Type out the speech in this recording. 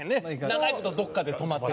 長い事どっかで止まってたり。